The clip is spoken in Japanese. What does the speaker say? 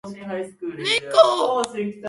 ねこ